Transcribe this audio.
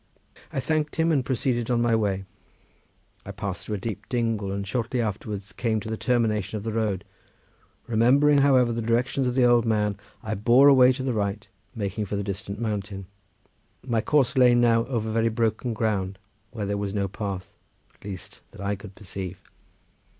I thanked him, and proceeded on my way. I passed through a deep dingle, and shortly afterwards came to the termination of the road; remembering, however, the directions of the old man, I bore away to the right, making for the distant mountain. My course lay now over very broken ground, where there was no path—at least that I could perceive.